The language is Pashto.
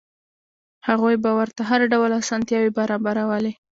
هغوی به ورته هر ډول اسانتیاوې برابرولې.